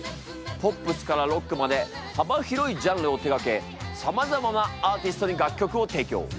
ポップスからロックまで幅広いジャンルを手がけさまざまなアーティストに楽曲を提供。